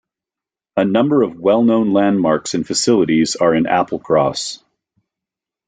A number of well known landmarks and facilities are in Applecross.